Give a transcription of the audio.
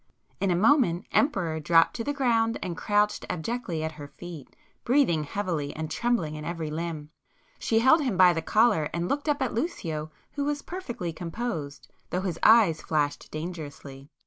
In a moment 'Emperor' dropped to the ground, and crouched abjectly at her feet, breathing heavily and trembling in every limb. She held him by the collar, and looked up at Lucio who was perfectly composed, though his eyes flashed dangerously.